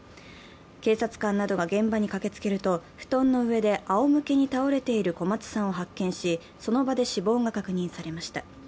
警察官などが現場に駆けつけると、布団の上であおむけに倒れている小松さんを発見し、その場で死亡が確認されました。